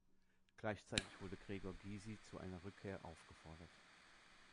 Gleichzeitig wurde Gregor Gysi zu einer Rückkehr aufgefordert.